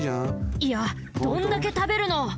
いやどんだけたべるの！